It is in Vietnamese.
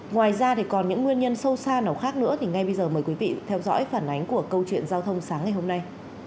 ngoài ra thì còn những nguyên nhân sâu xa nào khác nữa thì ngay bây giờ mời quý vị theo dõi phản ánh của câu chuyện giao thông sáng ngày hôm nay